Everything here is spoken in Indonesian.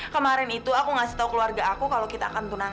kemarin itu aku ngasih tahu keluarga aku kalau kita akan tunai